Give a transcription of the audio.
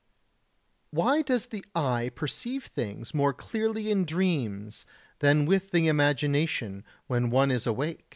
75. Why does the eye perceive things more clearly in dreams than with the imagination when one is awake?